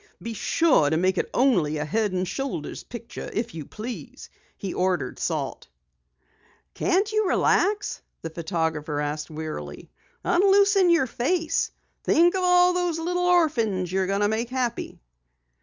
"Be sure to make it only a head and shoulders picture, if you please," he ordered Salt. "Can't you relax?" the photographer asked wearily. "Unloosen your face. Think of all those little orphans you're going to make happy."